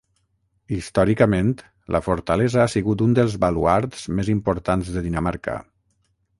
Històricament, la fortalesa ha sigut un dels baluards més importants de Dinamarca.